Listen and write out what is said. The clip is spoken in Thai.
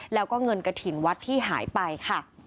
แล้วก็เงินกระถิ่นวัดที่หายไปค่ะ